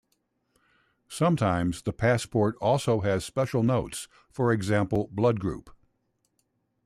Sometimes the passport also had special notes, for example blood group.